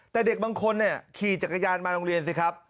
แต่เด็กบางคนขี่จักรยานมาโรงเรียนสิครับ